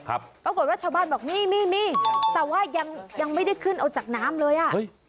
ปรากฏว่าชาวบ้านบอกมีมีแต่ว่ายังยังไม่ได้ขึ้นเอาจากน้ำเลยอ่ะ